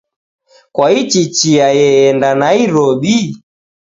Kwaichi chia ye enda Nairobi?